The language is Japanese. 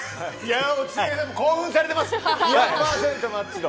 興奮されています。